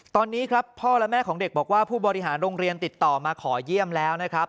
ตอนนี้ครับพ่อและแม่ของเด็กบอกว่าผู้บริหารโรงเรียนติดต่อมาขอเยี่ยมแล้วนะครับ